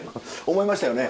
思いましたよね。